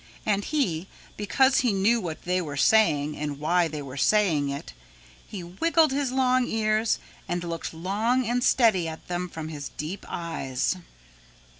And he, because he knew what they were saying and why they were saying it, he wiggled his long ears and looked long and steady at them from his deep eyes.